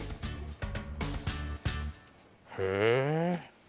へえ。